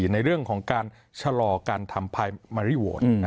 ในเรื่องของการชะลอการทำภายมาริโวท